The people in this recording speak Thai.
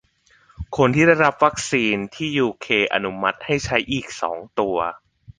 คนที่ได้รับวัคซีนที่ยูเคอนุมัติให้ใช้อีกสองตัว